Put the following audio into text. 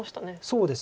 そうですね。